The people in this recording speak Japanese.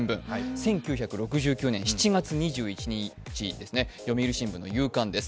１９６９年７月２１日、「読売新聞」夕刊です。